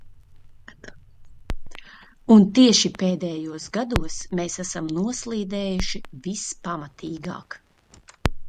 Un tieši pēdējos gados mēs esam noslīdējuši vispamatīgāk.